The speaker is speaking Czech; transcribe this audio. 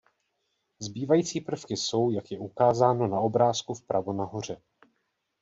Zbývající prvky jsou jak je ukázáno na obrázku vpravo nahoře.